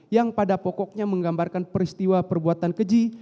yang pada pokoknya menggambarkan peristiwa perbuatan keji